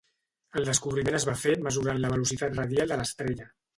El descobriment es va fer mesurant la velocitat radial de l'estrella.